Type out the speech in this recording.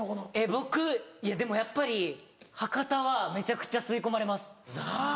僕いやでもやっぱり博多はめちゃくちゃ吸い込まれます。なぁ。